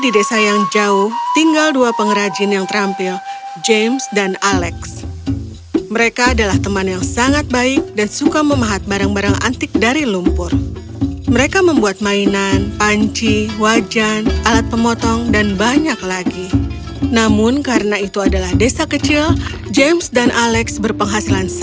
dongeng bahasa indonesia